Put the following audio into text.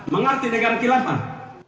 mengerti negara kilafah